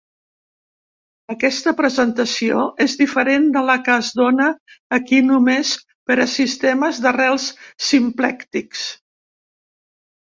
Aquesta presentació és diferent de la que es dóna aquí només per a sistemes d'arrels simplèctics.